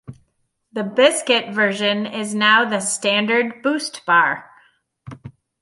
The biscuit version is now the standard Boost bar.